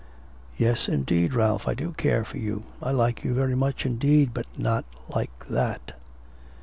'Yes, indeed, Ralph, I do care for you. I like you very much indeed, but not like that.'